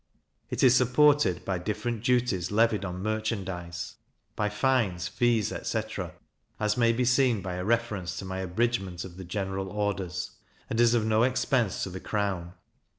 It is supported by different duties levied on merchandize by fines, fees, etc. (as may be seen by a reference to my abridgment of the General Orders), and is of no expense to the crown.